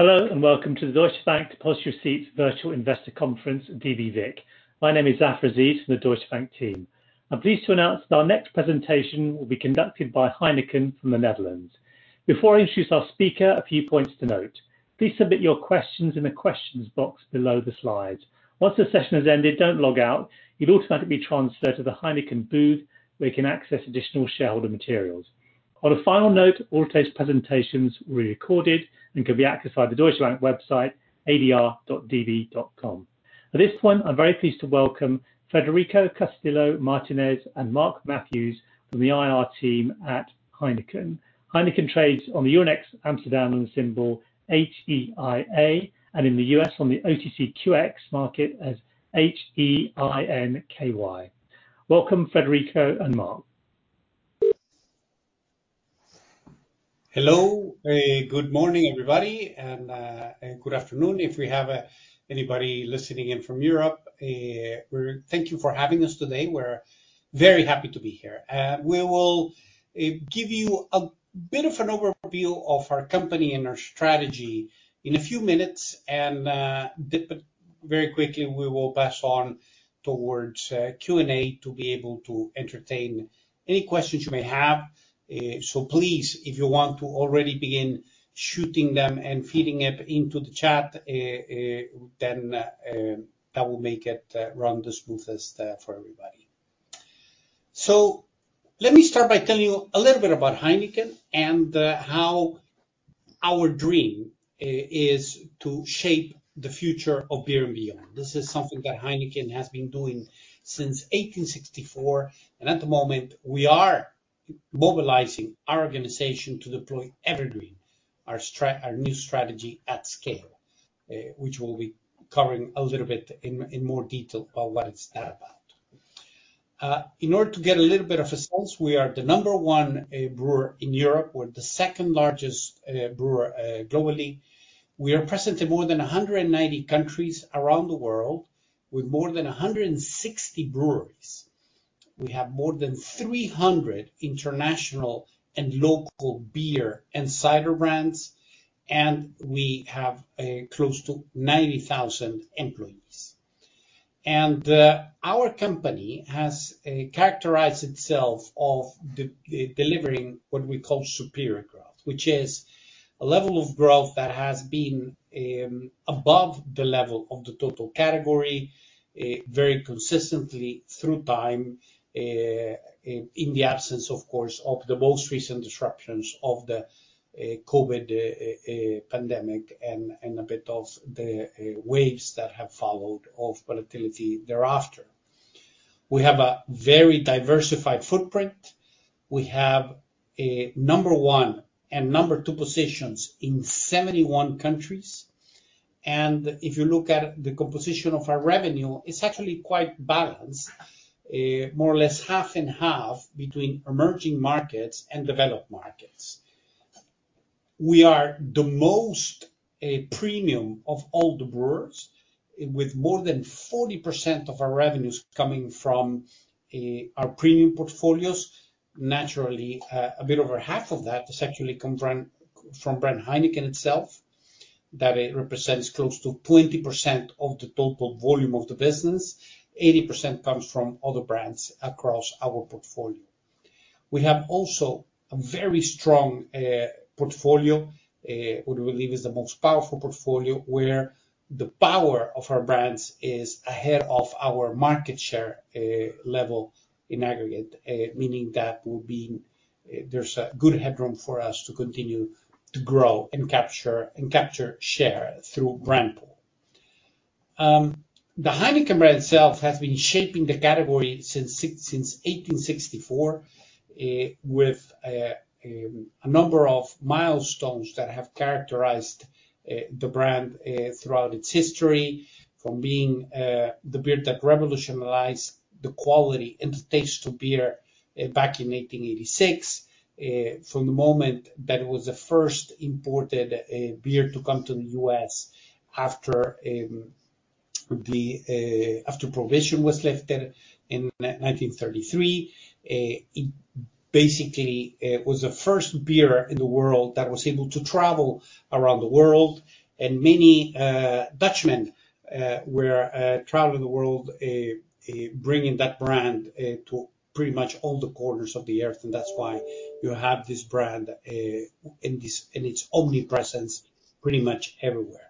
Hello, welcome to the Deutsche Bank Depositary Receipts Virtual Investor Conference, DBVIC. My name is Zafar Aziz from the Deutsche Bank team. I'm pleased to announce that our next presentation will be conducted by Heineken from the Netherlands. Before I introduce our speaker, a few points to note. Please submit your questions in the questions box below the slides. Once the session has ended, don't log out. You'll automatically transfer to the Heineken booth, where you can access additional shareholder materials. On a final note, all today's presentations will be recorded and can be accessed via the Deutsche Bank website, adr.db.com. At this point, I'm very pleased to welcome Federico Castillo Martinez and Mark Matthews from the IR team at Heineken. Heineken trades on the Euronext Amsterdam under the symbol HEIA and in the U.S. on the OTCQX market as HEINKY. Welcome, Federico and Mark. Hello. Good morning, everybody, good afternoon if we have anybody listening in from Europe. Thank you for having us today. We're very happy to be here. We will give you a bit of an overview of our company and our strategy in a few minutes. Very quickly, we will pass on towards Q&A to be able to entertain any questions you may have. Please, if you want to already begin shooting them and feeding it into the chat, that will make it run the smoothest for everybody. Let me start by telling you a little bit about Heineken and how our dream is to shape the future of beer and beyond. This is something that Heineken has been doing since 1864, at the moment, we are mobilizing our organization to deploy EverGreen, our new strategy at scale, which we'll be covering a little bit in more detail about what that's about. In order to get a little bit of a sense, we are the number one brewer in Europe. We're the second largest brewer globally. We are present in more than 190 countries around the world with more than 160 breweries. We have more than 300 international and local beer and cider brands, we have close to 90,000 employees. Our company has characterized itself of delivering what we call superior growth. Which is a level of growth that has been above the level of the total category, very consistently through time, in the absence, of course, of the most recent disruptions of the COVID pandemic and a bit of the waves that have followed of volatility thereafter. We have a very diversified footprint. We have number one and number two positions in 71 countries. If you look at the composition of our revenue, it's actually quite balanced, more or less half and half between emerging markets and developed markets. We are the most premium of all the brewers, with more than 40% of our revenues coming from our premium portfolios. Naturally, a bit over half of that actually comes from brand Heineken itself. That represents close to 20% of the total volume of the business. 80% comes from other brands across our portfolio. We have also a very strong portfolio, what we believe is the most powerful portfolio, where the power of our brands is ahead of our market share level in aggregate. Meaning that there is a good headroom for us to continue to grow and capture share through brand pull. The Heineken brand itself has been shaping the category since 1864, with a number of milestones that have characterized the brand throughout its history. From being the beer that revolutionized the quality and the taste of beer back in 1886. From the moment that it was the first imported beer to come to the U.S. after Prohibition was lifted in 1933. It basically was the first beer in the world that was able to travel around the world. Many Dutchmen were traveling the world, bringing that brand to pretty much all the corners of the earth. That is why you have this brand and its omnipresence pretty much everywhere.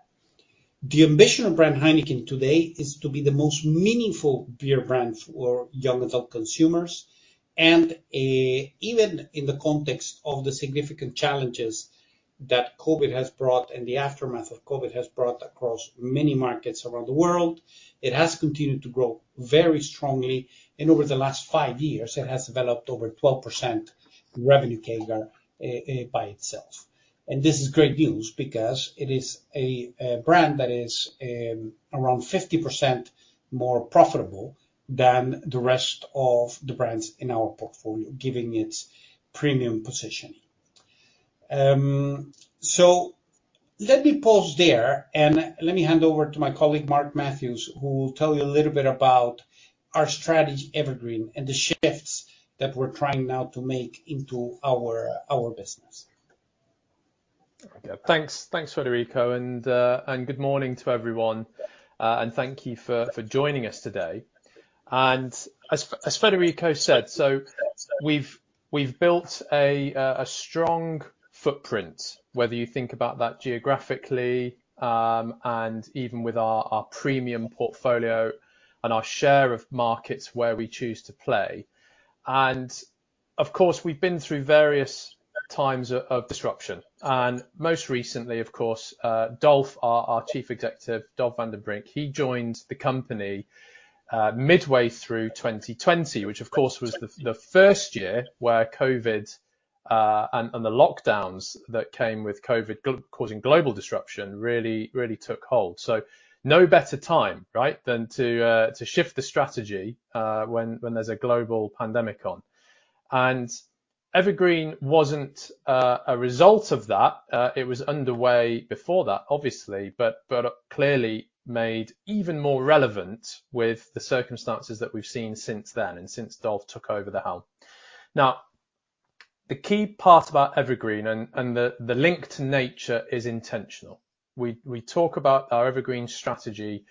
The ambition of brand Heineken today is to be the most meaningful beer brand for young adult consumers. Even in the context of the significant challenges that COVID has brought and the aftermath of COVID has brought across many markets around the world, it has continued to grow very strongly. Over the last five years, it has developed over 12% revenue CAGR by itself. This is great news because it is a brand that is around 50% more profitable than the rest of the brands in our portfolio, giving its premium positioning. Let me pause there and let me hand over to my colleague, Mark Matthews, who will tell you a little bit about our strategy, EverGreen, and the shifts that we are trying now to make into our business. Okay. Thanks, Federico, and good morning to everyone. Thank you for joining us today. As Federico said, we have built a strong footprint, whether you think about that geographically, and even with our premium portfolio and our share of markets where we choose to play. Of course, we have been through various times of disruption, most recently, of course, Dolf, our Chief Executive, Dolf van den Brink, he joined the company midway through 2020, which, of course, was the first year where COVID and the lockdowns that came with COVID causing global disruption really took hold. No better time, right, than to shift the strategy when there is a global pandemic on. EverGreen was not a result of that. It was underway before that, obviously. Clearly made even more relevant with the circumstances that we have seen since then and since Dolf took over the helm. The key part about EverGreen and the link to nature is intentional. We talk about our EverGreen strategy,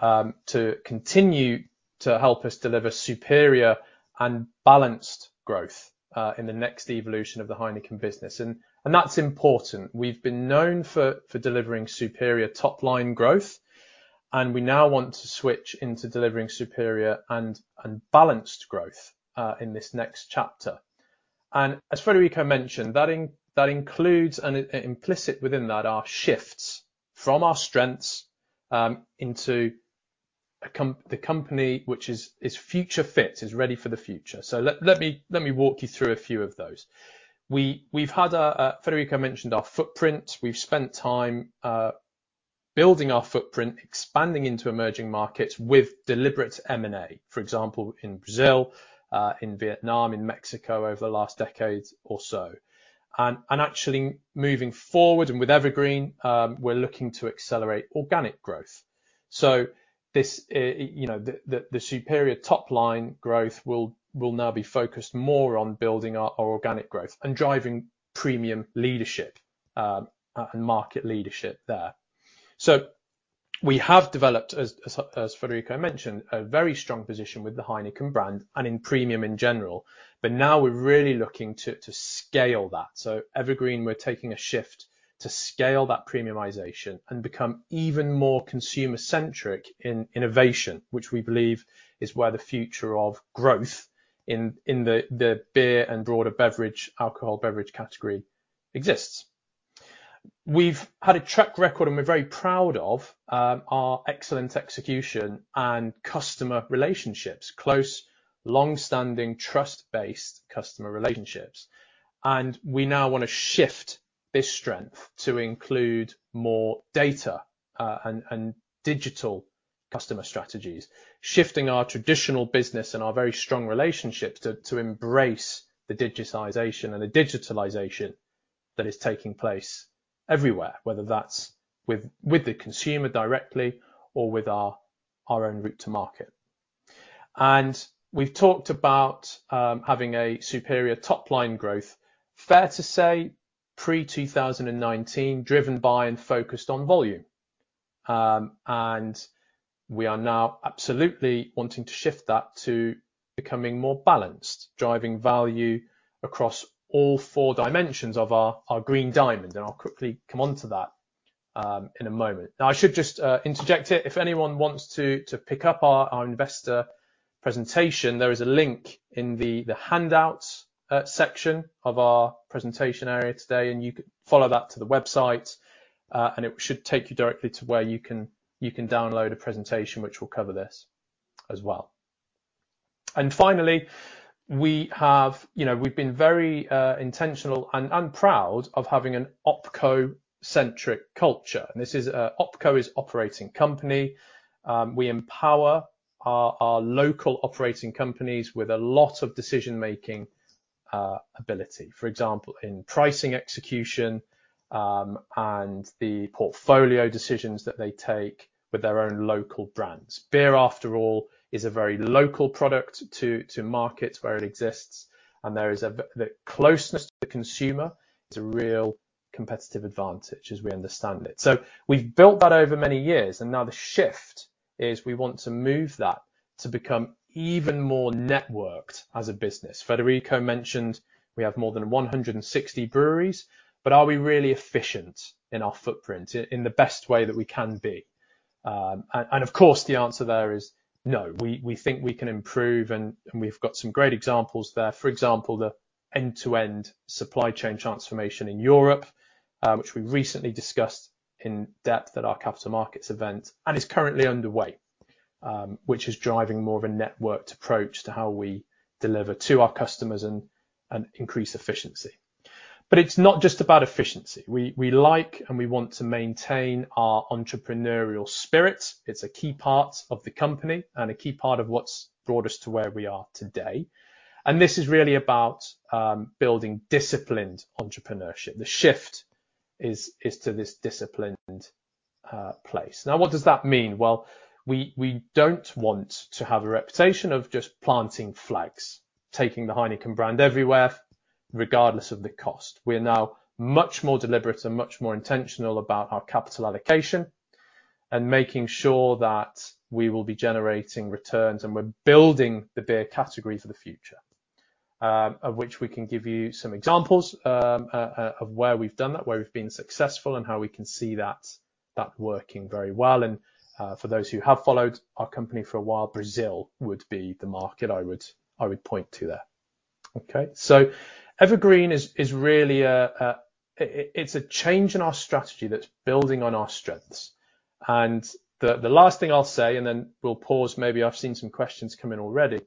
to continue to help us deliver superior and balanced growth, in the next evolution of the Heineken business. That is important. We have been known for delivering superior top-line growth, and we now want to switch into delivering superior and balanced growth, in this next chapter. As Federico mentioned, that includes and implicit within that are shifts from our strengths into the company which is future fit, is ready for the future. Let me walk you through a few of those. Federico mentioned our footprint. We have spent time building our footprint, expanding into emerging markets with deliberate M&A, for example, in Brazil, in Vietnam, in Mexico over the last decade or so. Actually moving forward and with EverGreen, we are looking to accelerate organic growth. The superior top-line growth will now be focused more on building our organic growth and driving premium leadership, and market leadership there. We have developed, as Federico mentioned, a very strong position with the Heineken brand and in premium in general, but now we're really looking to scale that. EverGreen, we're taking a shift to scale that premiumization and become even more consumer-centric in innovation, which we believe is where the future of growth in the beer and broader beverage, alcohol beverage category exists. We've had a track record, and we're very proud of our excellent execution and customer relationships, close, long-standing, trust-based customer relationships. We now want to shift this strength to include more data, and digital customer strategies. Shifting our traditional business and our very strong relationships to embrace the digitization and the digitization that is taking place everywhere, whether that's with the consumer directly or with our own route to market. We've talked about having a superior top-line growth, fair to say pre-2019, driven by and focused on volume. We are now absolutely wanting to shift that to becoming more balanced, driving value across all four dimensions of our Green Diamond, and I'll quickly come onto that in a moment. Now I should just interject it, if anyone wants to pick up our investor presentation, there is a link in the handout section of our presentation area today, and you can follow that to the website. It should take you directly to where you can download a presentation which will cover this as well. Finally, we've been very intentional and proud of having an OpCo-centric culture. OpCo is operating company. We empower our local operating companies with a lot of decision-making ability. For example, in pricing execution, and the portfolio decisions that they take with their own local brands. Beer, after all, is a very local product to markets where it exists, and the closeness to the consumer is a real competitive advantage as we understand it. We've built that over many years, and now the shift is we want to move that to become even more networked as a business. Federico mentioned we have more than 160 breweries, but are we really efficient in our footprint in the best way that we can be? Of course, the answer there is no. We think we can improve, and we've got some great examples there. For example, the end-to-end supply chain transformation in Europe, which we recently discussed in depth at our capital markets event and is currently underway, which is driving more of a networked approach to how we deliver to our customers and increase efficiency. It's not just about efficiency. We like, and we want to maintain our entrepreneurial spirit. It's a key part of the company and a key part of what's brought us to where we are today. This is really about building disciplined entrepreneurship. The shift is to this disciplined place. Now, what does that mean? Well, we don't want to have a reputation of just planting flags, taking the Heineken brand everywhere, regardless of the cost. We are now much more deliberate and much more intentional about our capital allocation and making sure that we will be generating returns. We're building the beer category for the future, of which we can give you some examples of where we've done that, where we've been successful, and how we can see that working very well. For those who have followed our company for a while, Brazil would be the market I would point to there. EverGreen is really a change in our strategy that's building on our strengths. The last thing I'll say, and then we'll pause, maybe I've seen some questions come in already,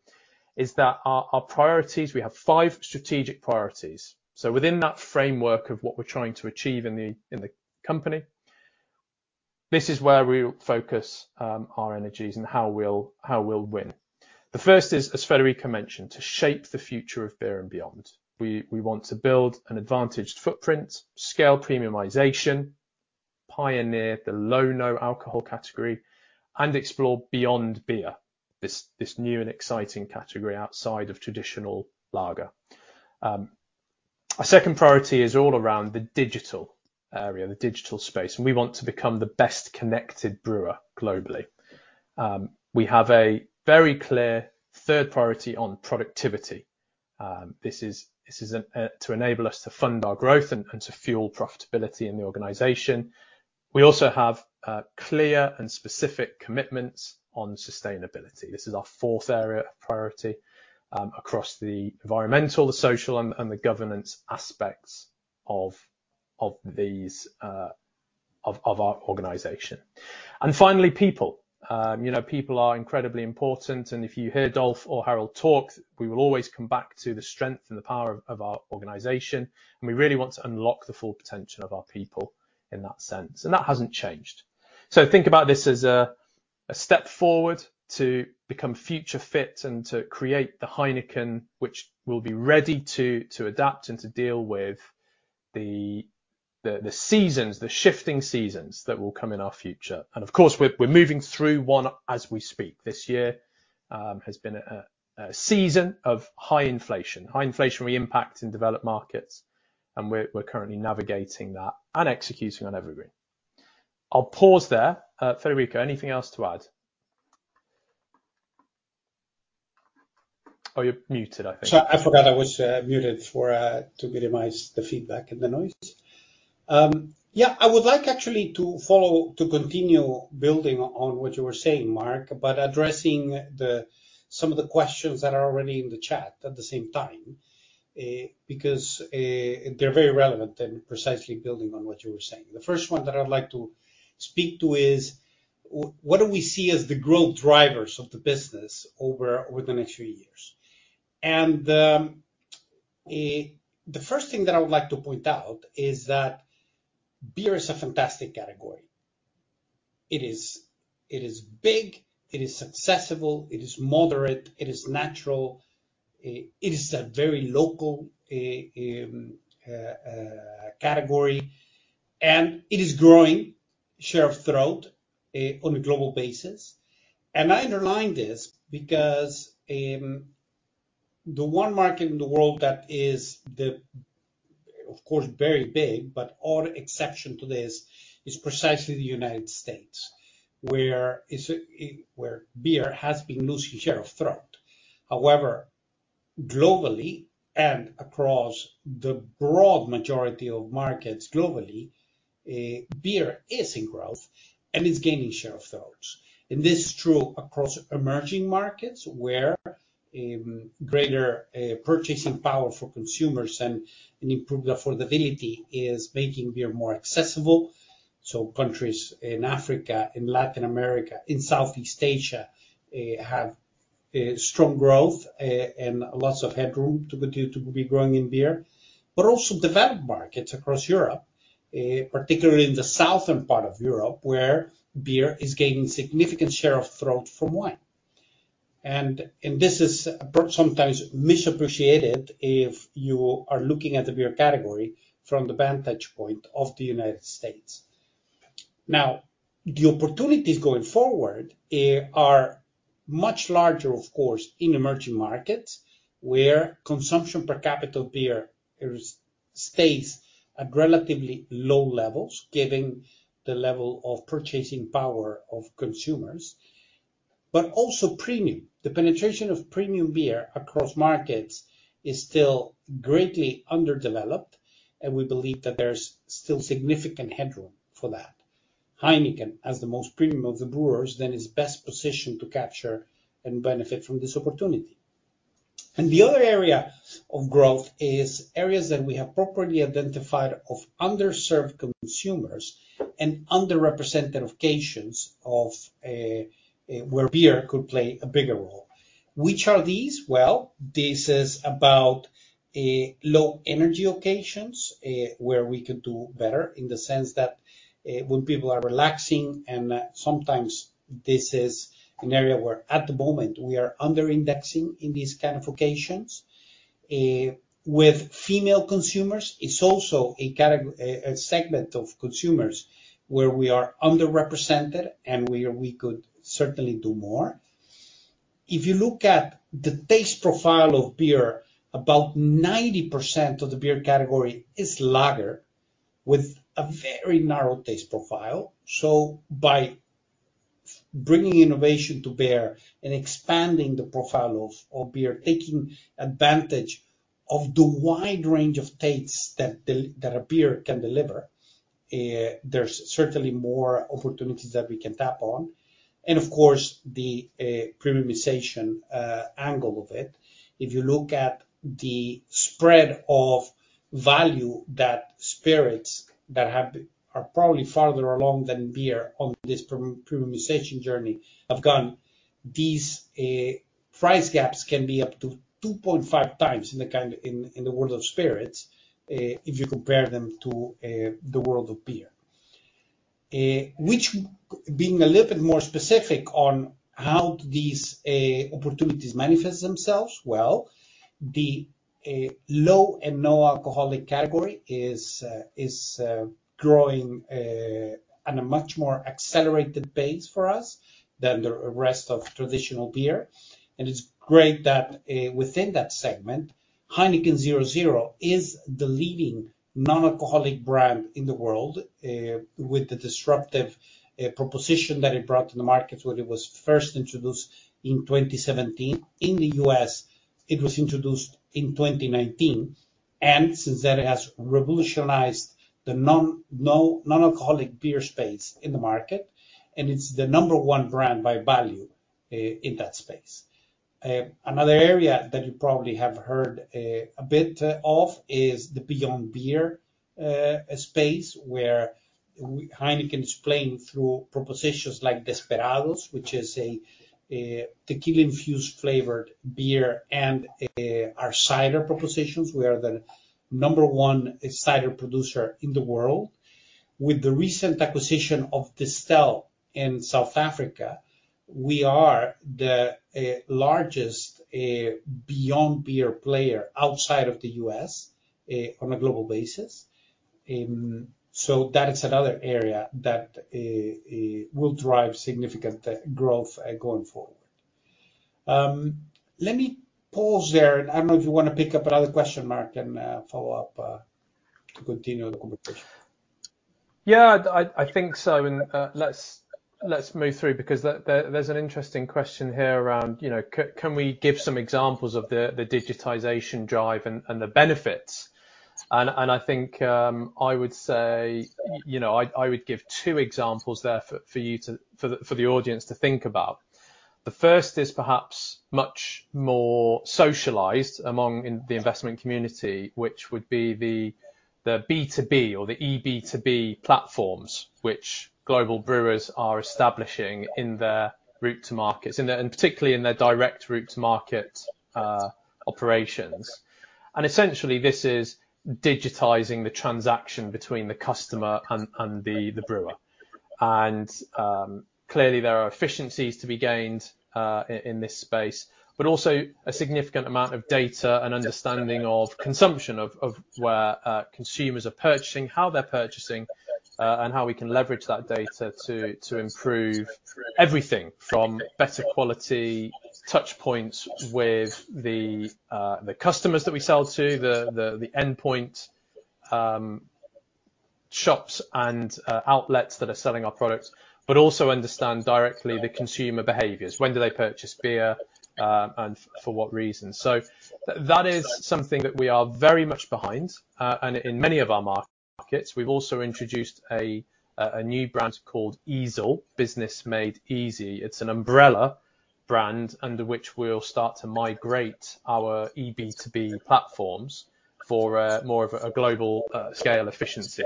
is that our priorities, we have five strategic priorities. Within that framework of what we're trying to achieve in the company, this is where we'll focus our energies and how we'll win. The first is, as Federico mentioned, to shape the future of beer and beyond. We want to build an advantaged footprint, scale premiumization, pioneer the low, no alcohol category, explore beyond beer, this new and exciting category outside of traditional lager. Our second priority is all around the digital area, the digital space. We want to become the best-connected brewer globally. We have a very clear third priority on productivity. This is to enable us to fund our growth and to fuel profitability in the organization. We also have clear and specific commitments on sustainability. This is our fourth area of priority across the environmental, the social, and the governance aspects of our organization. Finally, people. People are incredibly important. If you hear Dolf or Harald talk, we will always come back to the strength and the power of our organization. We really want to unlock the full potential of our people in that sense. That hasn't changed. Think about this as a step forward to become future fit and to create the Heineken, which will be ready to adapt and to deal with the seasons, the shifting seasons that will come in our future. Of course, we're moving through one as we speak. This year has been a season of high inflation, high inflationary impact in developed markets. We're currently navigating that and executing on EverGreen. I'll pause there. Federico, anything else to add? Oh, you're muted, I think. Sorry, I forgot I was muted to minimize the feedback and the noise. I would like actually to continue building on what you were saying, Mark, addressing some of the questions that are already in the chat at the same time. They're very relevant and precisely building on what you were saying. The first one that I would like to speak to is what do we see as the growth drivers of the business over the next few years? The first thing that I would like to point out is that beer is a fantastic category. It is big, it is accessible, it is moderate, it is natural, it is a very local category. It is growing share of throat on a global basis. I underline this because the one market in the world that is, of course, very big but odd exception to this is precisely the U.S., where beer has been losing share of throat. However, globally, and across the broad majority of markets globally, beer is in growth and is gaining share of throats. This is true across emerging markets, where greater purchasing power for consumers and improved affordability is making beer more accessible. Countries in Africa, in Latin America, in Southeast Asia have strong growth and lots of headroom to be growing in beer. Also developed markets across Europe, particularly in the southern part of Europe, where beer is gaining significant share of throat from wine. This is sometimes misappreciated if you are looking at the beer category from the vantage point of the U.S. Now, the opportunities going forward are much larger, of course, in emerging markets, where consumption per capita beer stays at relatively low levels, given the level of purchasing power of consumers. Also premium. The penetration of premium beer across markets is still greatly underdeveloped, and we believe that there's still significant headroom for that. Heineken, as the most premium of the brewers, then is best positioned to capture and benefit from this opportunity. The other area of growth is areas that we have properly identified of underserved consumers and underrepresented occasions of where beer could play a bigger role. Which are these? Well, this is about low-energy occasions, where we could do better in the sense that when people are relaxing, and sometimes this is an area where at the moment, we are under-indexing in these kind of occasions With female consumers, it's also a segment of consumers where we are underrepresented, and we could certainly do more. If you look at the taste profile of beer, about 90% of the beer category is lager with a very narrow taste profile. By bringing innovation to bear and expanding the profile of beer, taking advantage of the wide range of tastes that a beer can deliver, there's certainly more opportunities that we can tap on. Of course, the premiumization angle of it. If you look at the spread of value that spirits that are probably farther along than beer on this premiumization journey have gone, these price gaps can be up to 2.5x in the world of spirits, if you compare them to the world of beer. Which, being a little bit more specific on how these opportunities manifest themselves, well, the low and no alcoholic category is growing on a much more accelerated pace for us than the rest of traditional beer. It's great that within that segment, Heineken 0.0 is the leading non-alcoholic brand in the world, with the disruptive proposition that it brought to the market when it was first introduced in 2017. In the U.S., it was introduced in 2019, and since then it has revolutionized the non-alcoholic beer space in the market, and it's the number one brand by value in that space. Another area that you probably have heard a bit of is the beyond beer space, where Heineken is playing through propositions like Desperados, which is a tequila-infused flavored beer, and our cider propositions. We are the number one cider producer in the world. With the recent acquisition of Distell in South Africa, we are the largest beyond beer player outside of the U.S. on a global basis. That is another area that will drive significant growth going forward. Let me pause there, and I don't know if you want to pick up another question, Mark, and follow up to continue the conversation. I think so, let's move through because there's an interesting question here around can we give some examples of the digitization drive and the benefits? I think I would give two examples there for the audience to think about. The first is perhaps much more socialized among in the investment community, which would be the B2B or the EB2B platforms, which global brewers are establishing in their route to markets, and particularly in their direct route to market operations. Essentially, this is digitizing the transaction between the customer and the brewer. Clearly there are efficiencies to be gained in this space, but also a significant amount of data and understanding of consumption of where consumers are purchasing, how they're purchasing, and how we can leverage that data to improve everything from better quality touch points with the customers that we sell to, the endpoint shops and outlets that are selling our products, but also understand directly the consumer behaviors. When do they purchase beer, and for what reasons? That is something that we are very much behind. In many of our markets, we've also introduced a new brand called eazle, business made easy. It's an umbrella brand under which we'll start to migrate our EB2B platforms for more of a global scale efficiency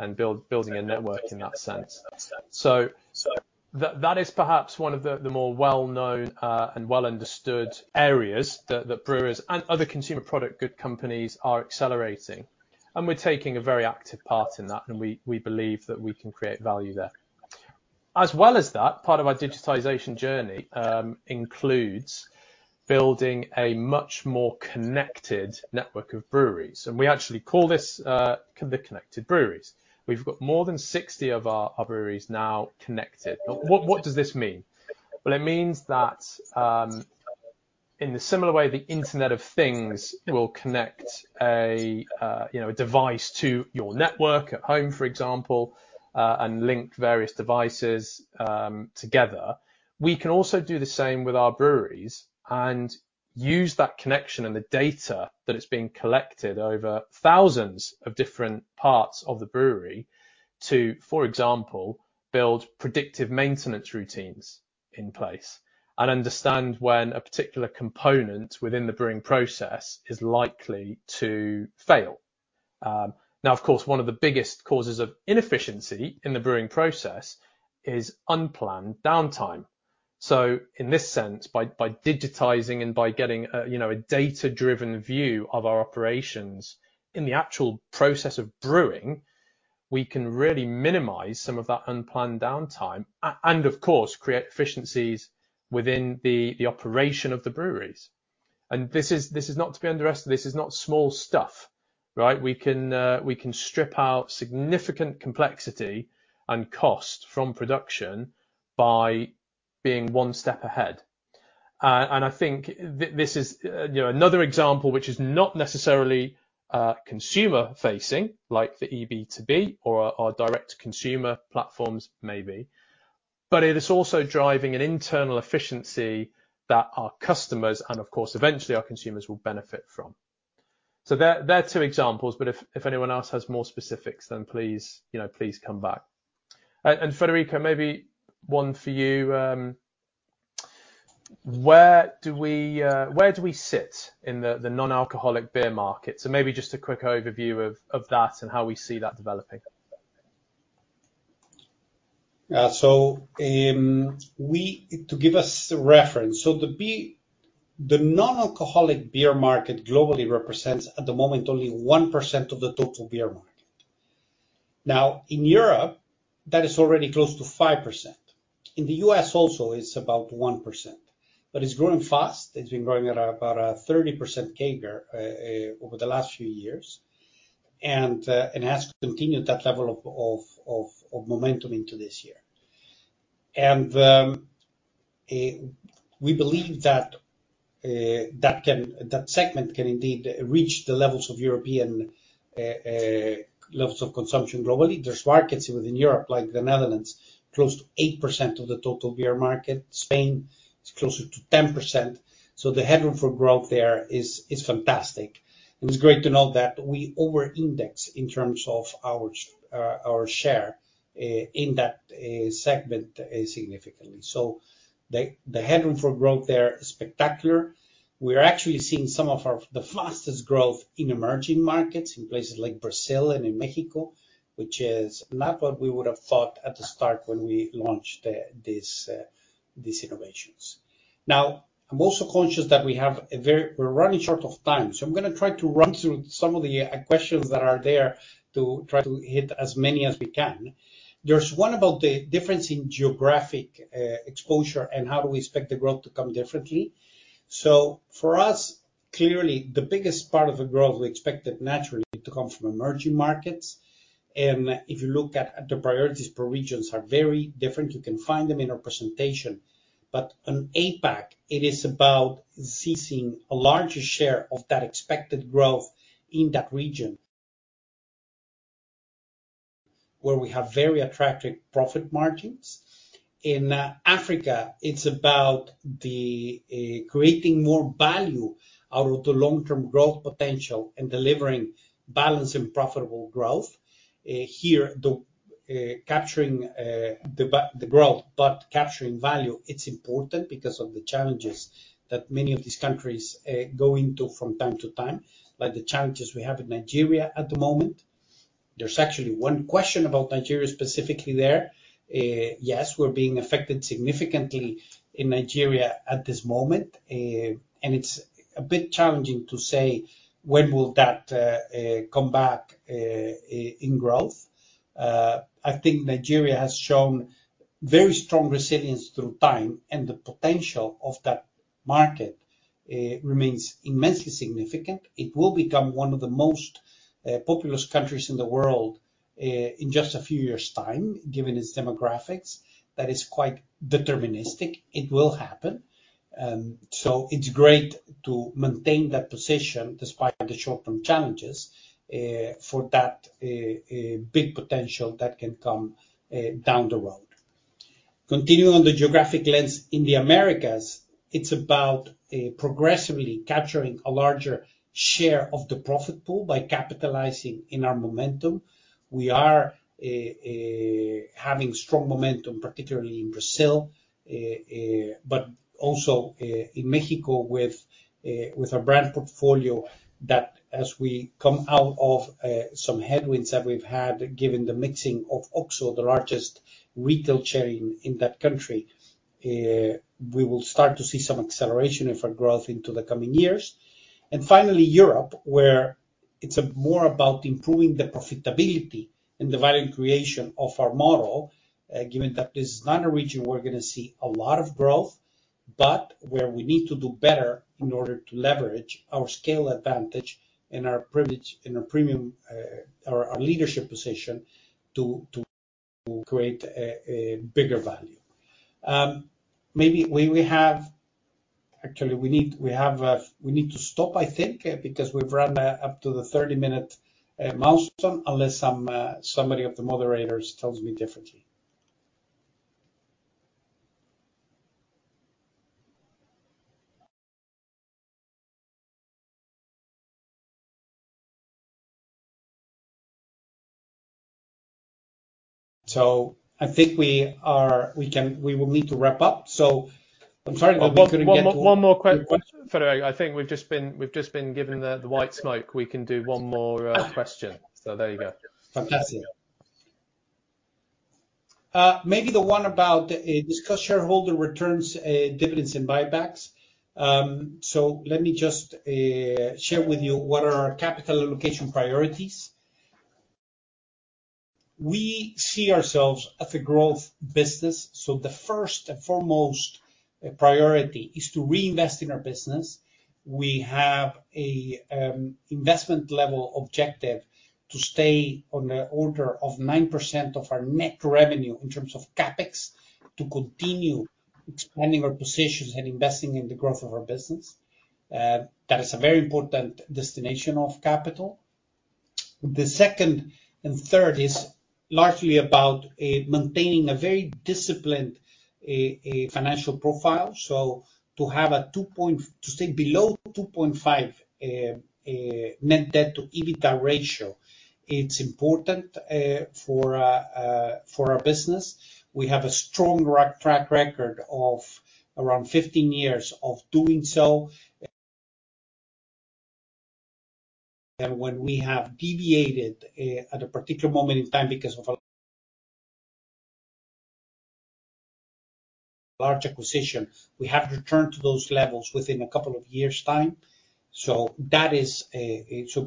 and building a network in that sense. That is perhaps one of the more well-known and well-understood areas that brewers and other consumer product good companies are accelerating. We're taking a very active part in that, and we believe that we can create value there. As well as that, part of our digitization journey includes building a much more connected network of breweries, and we actually call this the connected breweries. We've got more than 60 of our breweries now connected. What does this mean? Well, it means that, in the similar way the internet of things will connect a device to your network at home, for example, and link various devices together, we can also do the same with our breweries and use that connection and the data that is being collected over thousands of different parts of the brewery to, for example, build predictive maintenance routines in place and understand when a particular component within the brewing process is likely to fail. Of course, one of the biggest causes of inefficiency in the brewing process is unplanned downtime. In this sense, by digitizing and by getting a data-driven view of our operations in the actual process of brewing, we can really minimize some of that unplanned downtime, and of course, create efficiencies within the operation of the breweries. This is not to be underestimated. This is not small stuff, right? We can strip out significant complexity and cost from production by being one step ahead. I think this is another example which is not necessarily consumer-facing, like the EB2B or our direct-to-consumer platforms maybe, but it is also driving an internal efficiency that our customers and, of course, eventually our consumers will benefit from. They're two examples, but if anyone else has more specifics, then please come back. Federico, maybe one for you. Where do we sit in the non-alcoholic beer market? Maybe just a quick overview of that and how we see that developing. To give us a reference, the non-alcoholic beer market globally represents, at the moment, only 1% of the total beer market. In Europe, that is already close to 5%. In the U.S. also, it's about 1%, but it's growing fast. It's been growing at about a 30% CAGR over the last few years and has continued that level of momentum into this year. We believe that segment can indeed reach the levels of European levels of consumption globally. There's markets within Europe, like the Netherlands, close to 8% of the total beer market. Spain is closer to 10%. The headroom for growth there is fantastic, and it's great to know that we over-index in terms of our share in that segment significantly. The headroom for growth there is spectacular. We're actually seeing some of the fastest growth in emerging markets in places like Brazil and in Mexico, which is not what we would've thought at the start when we launched these innovations. I'm also conscious that we're running short of time, I'm going to try to run through some of the questions that are there to try to hit as many as we can. There's one about the difference in geographic exposure and how do we expect the growth to come differently. For us, clearly the biggest part of the growth we expected naturally to come from emerging markets. If you look at the priorities per regions are very different. You can find them in our presentation. In APAC, it is about seizing a larger share of that expected growth in that region where we have very attractive profit margins. In Africa, it's about creating more value out of the long-term growth potential and delivering balanced and profitable growth. Here, capturing the growth but capturing value, it's important because of the challenges that many of these countries go into from time to time, like the challenges we have in Nigeria at the moment. There's actually one question about Nigeria specifically there. Yes, we're being affected significantly in Nigeria at this moment, and it's a bit challenging to say when will that come back in growth. I think Nigeria has shown very strong resilience through time, and the potential of that market remains immensely significant. It will become one of the most populous countries in the world in just a few years' time, given its demographics. That is quite deterministic. It will happen. It's great to maintain that position despite the short-term challenges for that big potential that can come down the road. Continuing on the geographic lens, in the Americas, it's about progressively capturing a larger share of the profit pool by capitalizing in our momentum. We are having strong momentum, particularly in Brazil, but also in Mexico with our brand portfolio that as we come out of some headwinds that we've had, given the mixing of OXXO, the largest retail chain in that country, we will start to see some acceleration of our growth into the coming years. Finally, Europe, where it's more about improving the profitability and the value creation of our model, given that this is not a region we're going to see a lot of growth, but where we need to do better in order to leverage our scale advantage and our leadership position to create a bigger value. Actually, we need to stop, I think, because we've run up to the 30-minute milestone, unless somebody of the moderators tells me differently. I think we will need to wrap up. I'm sorry that we couldn't get to. One more quick question, Federico. I think we've just been given the white smoke. We can do one more question. There you go. Fantastic. Maybe the one about discuss shareholder returns, dividends, and buybacks. Let me just share with you what are our capital allocation priorities. We see ourselves as a growth business, so the first and foremost priority is to reinvest in our business. We have an investment level objective to stay on the order of 9% of our net revenue in terms of CapEx to continue expanding our positions and investing in the growth of our business. That is a very important destination of capital. The second and third is largely about maintaining a very disciplined financial profile. To stay below 2.5 net debt to EBITDA ratio, it's important for our business. We have a strong track record of around 15 years of doing so. When we have deviated at a particular moment in time because of a large acquisition, we have returned to those levels within a couple of years' time.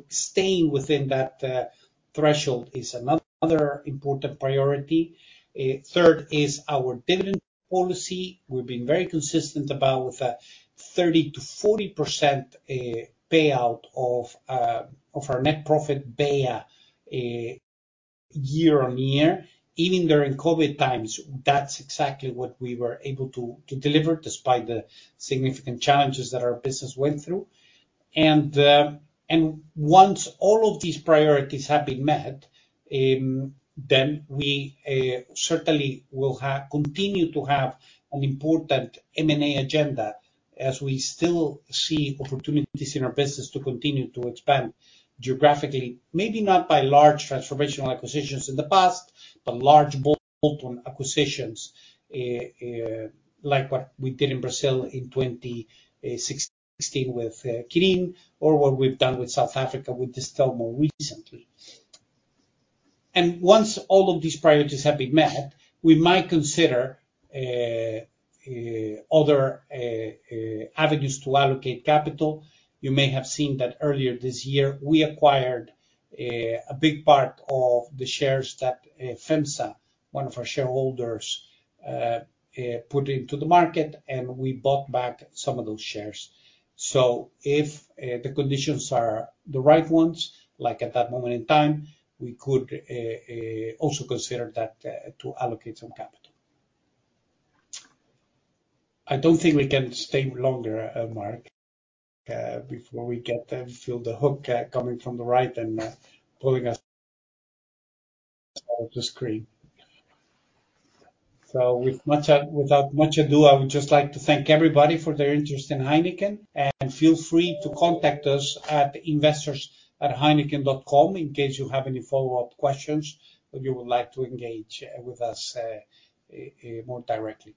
Staying within that threshold is another important priority. Third is our dividend policy. We've been very consistent about that. 30%-40% payout of our net profit beia year on year, even during COVID times. That's exactly what we were able to deliver despite the significant challenges that our business went through. Once all of these priorities have been met, then we certainly will continue to have an important M&A agenda as we still see opportunities in our business to continue to expand geographically, maybe not by large transformational acquisitions in the past, but large bolt-on acquisitions, like what we did in Brazil in 2016 with Kirin or what we've done with South Africa with Distell more recently. Once all of these priorities have been met, we might consider other avenues to allocate capital. You may have seen that earlier this year, we acquired a big part of the shares that FEMSA, one of our shareholders, put into the market, and we bought back some of those shares. If the conditions are the right ones, like at that moment in time, we could also consider that to allocate some capital. I don't think we can stay longer, Mark, before we get them feel the hook coming from the right and pulling us out of the screen. Without much ado, I would just like to thank everybody for their interest in Heineken, and feel free to contact us at investors@heineken.com in case you have any follow-up questions or you would like to engage with us more directly.